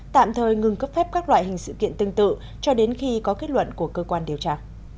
tạm thời ngừng cấp phép các loại hình sự kiện tương tự cho đến khi có kết luận của cơ quan điều tra